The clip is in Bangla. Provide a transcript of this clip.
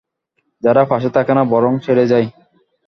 যারা পাশে থাকে না বরং ছেড়ে যায়।